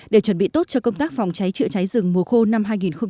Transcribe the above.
để chuẩn bị tốt cho công tác phòng cháy chữa cháy rừng mùa khô năm hai nghìn hai mươi